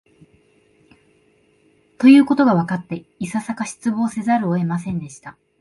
ということがわかって、いささか失望せざるを得ませんでした